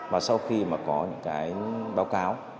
và sau khi mà có những cái báo cáo